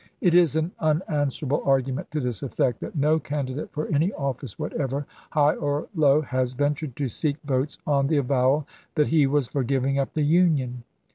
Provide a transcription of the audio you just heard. It is an unanswerable argument to this effect, that no candidate for any office whatever, high or low, has ventured to seek votes on the avowal that he was for giving up the Union.